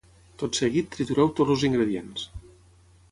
tot seguit tritureu tots els ingredients